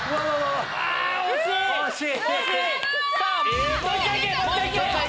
惜しい！